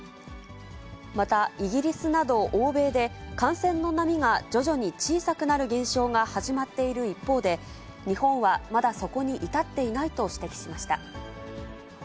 またイギリスなど欧米で感染の波が徐々に小さくなる現象が始まっている一方で、日本はまだそこに至っていないと指摘しました。